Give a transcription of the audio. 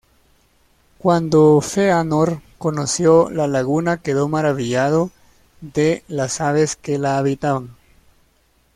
Cuando Fëanor conoció la Laguna quedó maravillado de las aves que la habitaban.